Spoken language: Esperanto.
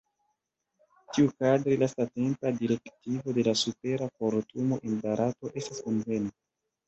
Tiukadre lastatempa direktivo de la supera kortumo en Barato estas bonvena.